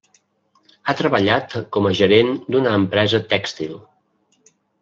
Ha treballat com a gerent d'una empresa tèxtil.